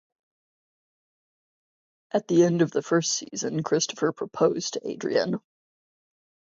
At the end of the first season, Christopher proposed to Adrianne.